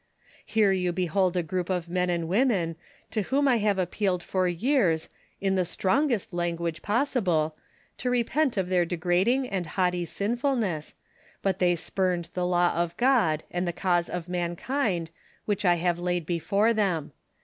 "■ Here you behold a group of men and women to whom I have appealed for years, in the strongest language pos sible, to repent of their degrading and haughty sinfulness, but they spurned the law of God and the cause of mankind, which I have laid before them.